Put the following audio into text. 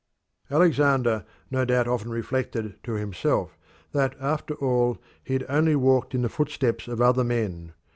Alexander no doubt often reflected to himself that after all he had only walked in the footsteps of other men.